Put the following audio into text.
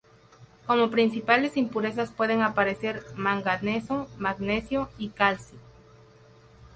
Como principales impurezas pueden aparecer manganeso, magnesio y calcio.